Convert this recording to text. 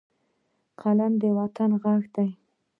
قلم د وطن غږ دی